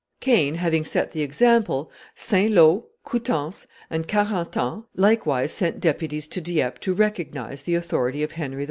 Caen having set the example, St. Lo, Coutances, and Carentan likewise sent deputies to Dieppe to recognize the authority of Henry IV.